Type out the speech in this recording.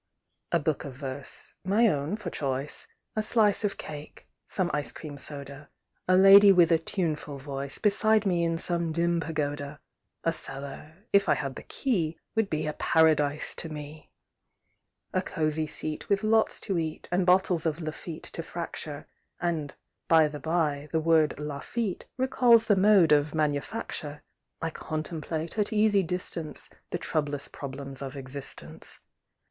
A book of verse (my own, for choice), A slice of cake, some ice cream soda, A lady with a tuneful voice, Beside me in some dim pagoda! A cellar if I had the key, Would be a Paradise to me! In cosy seat, with lots to eat, And bottles of Lafitte to fracture (And, by the bye, the word La feet Recalls the mode of manufacture) I contemplate, at easy distance, The troublous problems of existence.